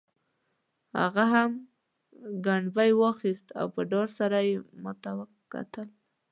هغه هم ګبڼۍ واخیست او په ډار سره یې ما ته کتل.